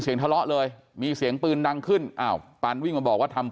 ทะเลาะเลยมีเสียงปืนดังขึ้นอ้าวปานวิ่งมาบอกว่าทำ